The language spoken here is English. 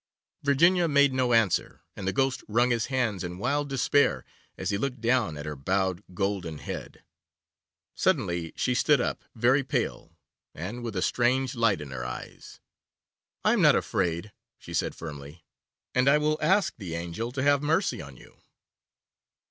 Virginia made no answer, and the Ghost wrung his hands in wild despair as he looked down at her bowed golden head. Suddenly she stood up, very pale, and with a strange light in her eyes. 'I am not afraid,' she said firmly, 'and I will ask the Angel to have mercy on you.